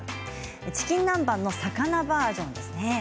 チキン南蛮の魚バージョンですね。